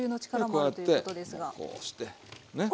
こうやってこうしてね。